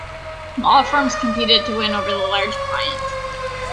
Law firms competed to win over the large client.